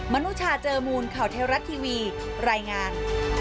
นุชาเจอมูลข่าวเทวรัฐทีวีรายงาน